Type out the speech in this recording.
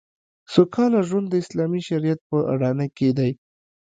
سوکاله ژوند د اسلامي شریعت په اډانه کې دی